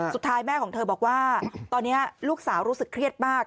สุดท้ายแม่ของเธอบอกว่าตอนนี้ลูกสาวรู้สึกเครียดมาก